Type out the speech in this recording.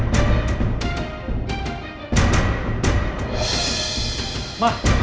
kamu buat apa